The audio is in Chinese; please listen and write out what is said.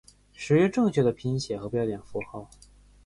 使用正确的拼写和标点符号